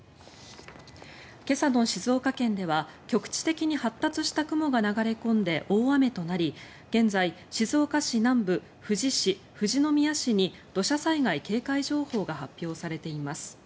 今朝の静岡県では局地的に発達した雲が流れ込んで大雨となり、現在静岡市南部、富士市、富士宮市に土砂災害警戒情報が発表されています。